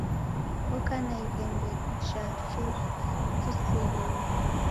Oka na ighembe ja kisirima.